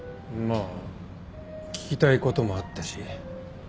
まあ聞きたいこともあったし。